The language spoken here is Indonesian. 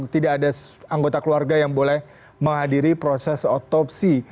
tidak ada anggota keluarga yang boleh menghadiri proses otopsi